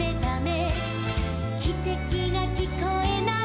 「きてきがきこえない」